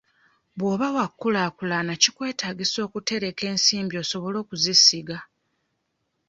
Bw'oba wakukulaakulana kikwetaagisa okutereka ensimbi osobola okuzisiga.